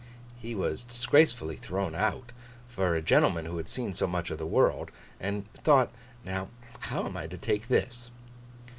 He was disgracefully thrown out, for a gentleman who had seen so much of the world, and thought, 'Now, how am I to take this?